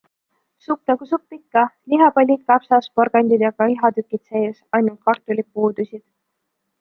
Supp nagu supp ikka, lihapallid, kapsas, porgand ja ka ihatükid sees, ainult kartulid puudusid.